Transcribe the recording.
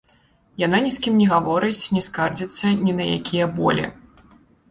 Яна ні з кім не гаворыць, не скардзіцца ні на якія болі.